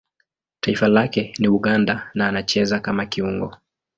Taifa lake ni Uganda na anacheza kama kiungo.